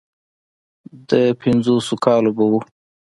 د پينځوسو کالو به و.